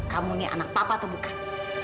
kamu ini anak papa atau bukan